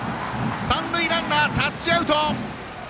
三塁ランナー、タッチアウト！